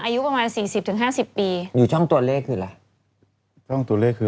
อายุประมาณสี่สิบถึงห้าสิบปีอยู่ช่องตัวเลขคืออะไรช่องตัวเลขคือ